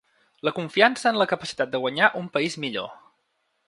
La confiança en la capacitat de guanyar un país millor.